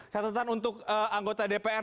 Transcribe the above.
saya terserah untuk anggota dpr